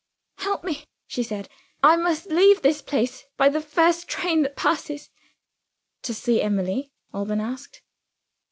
"Help me," she said, "I must leave this place by the first train that passes." "To see Emily?" Alban asked.